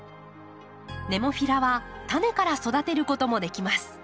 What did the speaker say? ネモフィラはタネから育てることもできます。